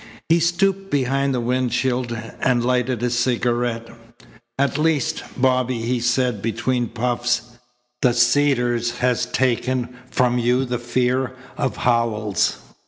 He stooped behind the windshield and lighted a cigarette. "At least. Bobby," he said between puffs, "the Cedars has taken from you the fear of Howells."